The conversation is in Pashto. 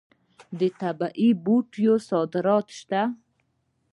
د طبي بوټو صادرات شته.